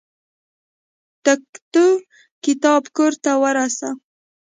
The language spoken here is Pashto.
تکتو کتاب کور ته ورسه.